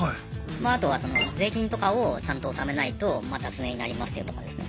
あとは税金とかをちゃんと納めないと脱税になりますよとかですね。